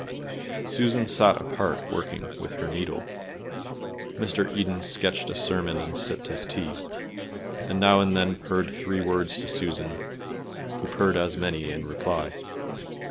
Susan sat apart working with her needle, Mr. Eden sketched a sermon and sipped his tea, and now and then purred three words to Susan, who purred as many in reply.